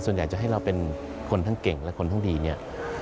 ส่วนใหญ่จะให้เราเป็นคนทั้งเก่งและคนทั้งดีเนี่ย